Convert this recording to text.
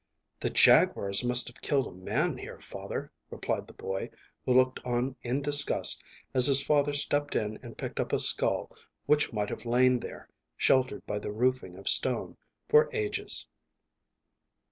"The jaguars must have killed a man here, father," replied the boy, who looked on in disgust as his father stepped in and picked up a skull which might have lain there, sheltered by the roofing of stone, for ages.